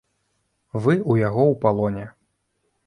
Вы ў яго ў палоне.